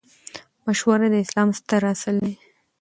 مشوره د اسلام ستر اصل دئ.